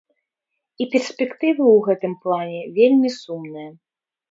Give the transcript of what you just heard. І перспектывы ў гэтым плане вельмі сумныя.